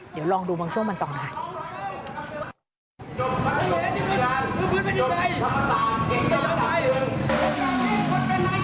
เดี๋ยวลองดูบางช่วงมันต่อมาค่ะ